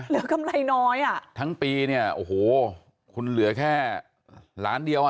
กำไรน้อยอ่ะทั้งปีเนี่ยโอ้โหคุณเหลือแค่ล้านเดียวอ่ะ